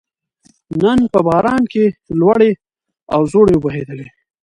نن په باران کې لوړې او ځوړې وبهېدلې